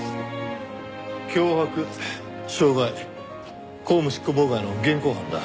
脅迫傷害公務執行妨害の現行犯だ。